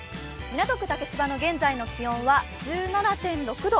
港区竹芝の現在の気温は１７．６度。